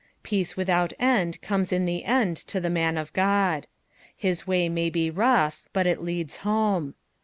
Peace without end comes in the end to the man of God. Hie way may berouBb, but it leads home.